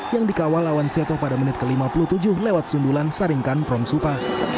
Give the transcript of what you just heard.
yang dikawal lawan seto pada menit ke lima puluh tujuh lewat sundulan saringkan promsupa